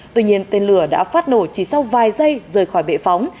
tuy nhiên tên lửa đã phát nổ chỉ sau vài giây rời khỏi bệ phóng